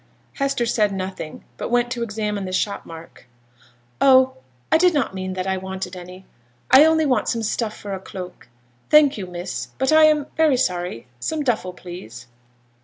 Hester said nothing, but went to examine the shop mark. 'Oh! I did not mean that I wanted any, I only want some stuff for a cloak. Thank you, miss, but I am very sorry some duffle, please.'